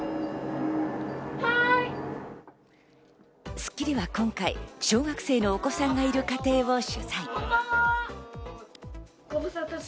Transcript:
『スッキリ』は今回、小学生のお子さんがいる家庭を取材。